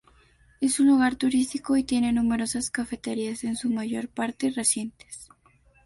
Es un lugar turístico, y tiene numerosas cafeterías, en su mayor parte recientes.